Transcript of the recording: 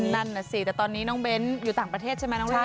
นั่นน่ะสิแต่ตอนนี้น้องเบ้นอยู่ต่างประเทศใช่ไหมน้องร่าย